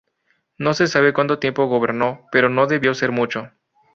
No se sabe cuánto tiempo gobernó, pero no debió ser mucho.